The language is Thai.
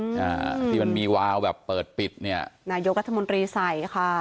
อ่าที่มันมีวาวแบบเปิดปิดเนี่ยนายกรัฐมนตรีใส่ค่ะ